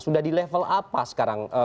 sudah di level apa sekarang